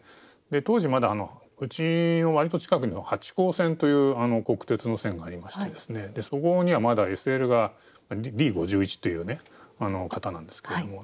当時まだうちの割と近くに八高線という国鉄の線がありましてそこにはまだＳＬがＤ５１というね形なんですけれども。